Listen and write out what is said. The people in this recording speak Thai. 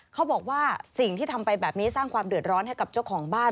เขาบอกว่าสิ่งที่ทำไปแบบนี้สร้างความเดือดร้อนให้กับเจ้าของบ้าน